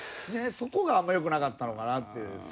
そこがあんまよくなかったのかなっていう。